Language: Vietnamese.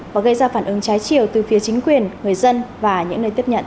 và gây ra phản ứng trái chiều từ phía chính quyền người dân và những nơi tiếp nhận